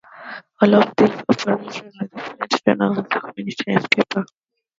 All of these operate with "The Flint Journal" as the Community Newspapers.